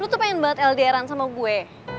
lu tuh pengen banget eldaeran sama gue